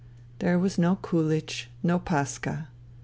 There was no kulich, no paskha.